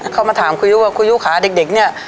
เขามาถามคู่ยูว่าคู่ยูขาเด็กเนี่ย